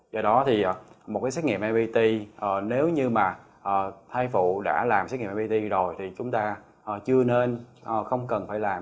do đó thì một cái xét nghiệm npt nếu như mà thai phụ đã làm xét nghiệm pt rồi thì chúng ta chưa nên không cần phải làm